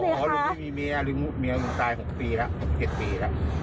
อ๋อลุงไม่มีเมียหรือเมียลุงตายหกปีแล้วหกเจ็ดปีแล้ว